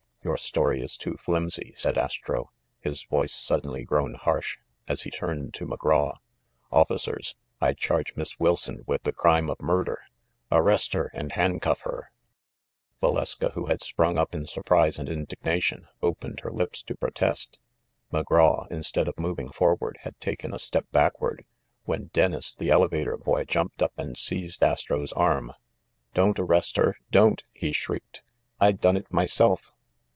"Your story is too flimsy," said Astro, his voice suddenly grown harsh, as he turned to McGraw. "Offi cers, I charge Miss Wilson with the crime of mur der ! Arrest her and handcuff her !" Valeska, who had sprung up in surprise and indig nation, opened her lips to protest. McGraw, instead of moving forward, had taken a step backward, when Dennis, the elevator boy, jumped up and seized Astro's arm. "Don't arrest her, don't!" he shrieked. "I done it myself!"